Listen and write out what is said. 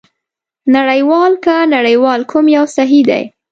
نړۍوال که نړیوال کوم یو صحي دی؟